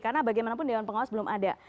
karena bagaimanapun dewan pengawas belum ada